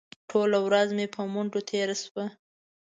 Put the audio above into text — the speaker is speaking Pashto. ټوله ورځ مې په منډو تېره شوه.